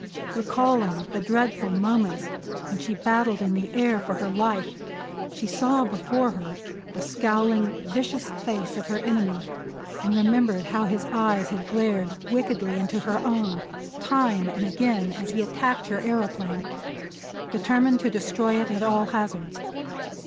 Recalling the dreadful moments when she battled in the air for her life she saw before her the scowling, vicious face of her enemy and remembered how his eyes had glared wickedly into her own time and again as he attacked her aëroplane, determined to destroy it at all hazards.